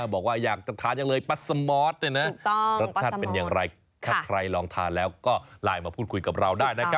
บอกว่าอยากจะทานจังเลยปัสสมอทเนี้ยนะ